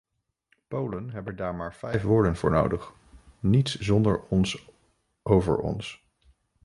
Polen hebben daar maar vijf woorden voor nodig: niets zonder ons over ons!